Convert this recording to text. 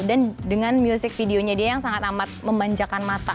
dan dengan music videonya dia yang sangat amat membanjakan mata